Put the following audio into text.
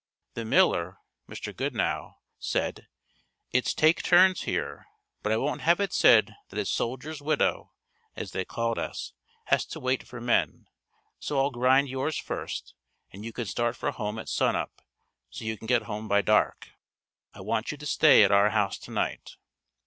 The miller, Mr. Goodnow, said "It's take turns here, but I won't have it said that a 'soldier's widow' (as they called us) has to wait for men, so I'll grind yours first and you can start for home at sunup, so you can get home by dark; I want you to stay at our house tonight."